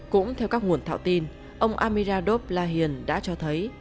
cũng theo các nguồn thạo tin ông amiradoblahian đã cho thấy